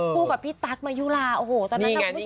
กับพี่ตั๊กมายุลาโอ้โหตอนนั้นนะคุณผู้ชม